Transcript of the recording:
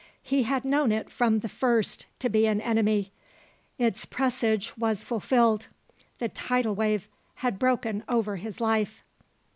He had known it from the first to be an enemy. Its presage was fulfilled. The tidal wave had broken over his life.